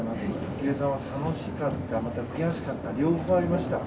池江さんは楽しかった、悔しかったと両方ありました。